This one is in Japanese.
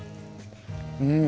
うん。